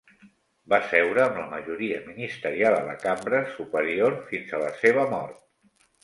Va seure amb la majoria ministerial a la cambra superior fins a la seva mort.